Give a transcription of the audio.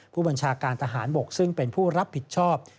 ผู้บัญชาการทหารบกซึ่งเป็นผู้รับผิดชอบ